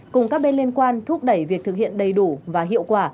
cùng các bên liên quan thúc đẩy việc thực hiện đầy đủ và hiệu quả